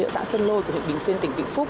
ở xã sơn lôi huyện bình xuyên tỉnh vĩnh phúc